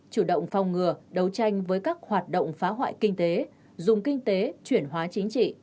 chủ động phòng ngừa đấu tranh với các hoạt động phá hoại kinh tế dùng kinh tế chuyển hóa chính trị